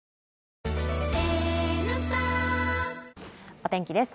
お天気です